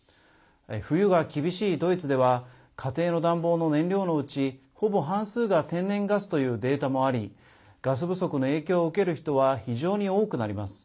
冬が厳しいドイツでは家庭の暖房の燃料のうちほぼ半数が天然ガスというデータもありガス不足の影響を受ける人は非常に多くなります。